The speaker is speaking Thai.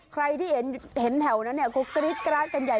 ใครที่เห็นแถวนั้นก็กรี๊ดกราดกันใหญ่